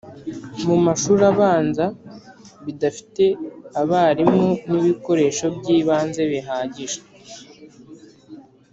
mu mashuri abanza bidafite abarimu n'ibikoresho by'ibanze bihagije.